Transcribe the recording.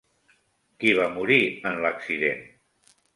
Qui va morir en l'accident?